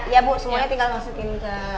ya bu semuanya tinggal masukin ke